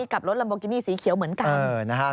กับรถลัมโบกินี่สีเขียวเหมือนกัน